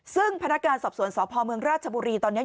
ซึ่งพนักงานสอบสวนสพเมืองราชบุรีตอนนี้